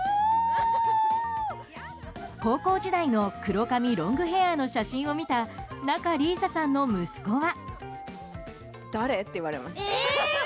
高校時代の黒髪ロングヘアの写真を見た仲里依紗さんの息子は。